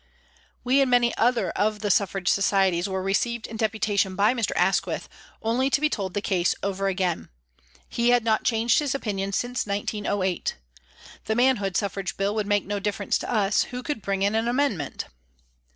We and many other of the Suffrage Societies were received in deputation by Mr. Asquith, only to be told the case over again. He had not changed his opinion since 1908. The Manhood Suffrage Bill would make no difference to us, who could bring in an amendment